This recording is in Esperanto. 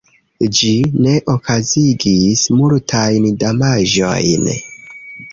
Ĝi ne okazigis multajn damaĝojn.